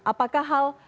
apakah hal ini